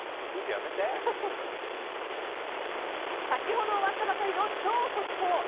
先ほど終わったばかりの超速報。